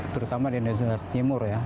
terutama di indonesia timur ya